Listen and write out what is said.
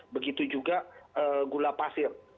begitu juga gula pasir